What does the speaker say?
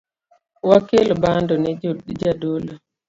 Wakel bando ne jadolo